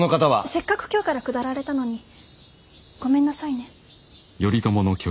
せっかく京から下られたのにごめんなさいね。